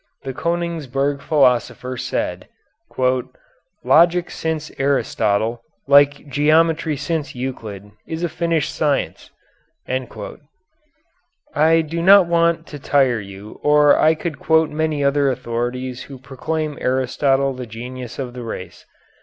The Koenigsberg philosopher said: "Logic since Aristotle, like Geometry since Euclid, is a finished science." I do not want to tire you or I could quote many other authorities who proclaim Aristotle the genius of the race.